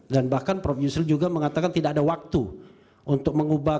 dan bahkan prof yusril juga mengatakan tidak ada waktu untuk mengubah